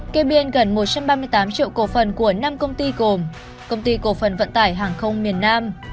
kê biên gần một trăm ba mươi tám triệu cổ phần của năm công ty gồm công ty cổ phần vận tải hàng không miền nam